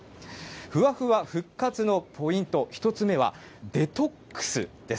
ふわふわ復活のポイント、１つ目は、デトックスです。